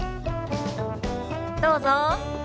どうぞ。